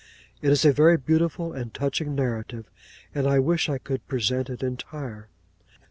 It is a very beautiful and touching narrative; and I wish I could present it entire.